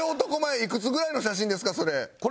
いくつぐらいの写真ですかそれ。